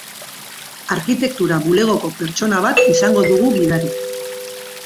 Arkitektura bulegoko pertsona bat izango dugu gidari.